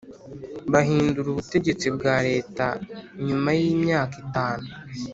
Bahindura ubutegetsi bwa Leta nyuma y’imyaka itanu